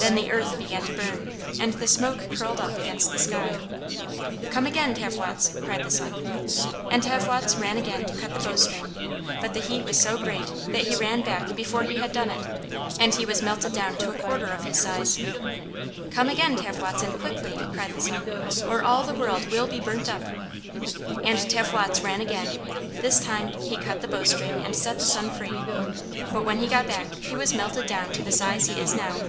Then the earth began to burn, and the smoke curled up against the sky. "Come again, Tavwots," cried the sun. And Tavwots ran again to cut the bowstring. But the heat was so great that he ran back before he had done it, and he was melted down to a quarter of his size! "Come again, Tavwots, and quickly," cried the sun, "or all the world will be burnt up." And Tavwots ran again; this time he cut the bowstring and set the sun free. But when he got back he was melted down to the size he is now!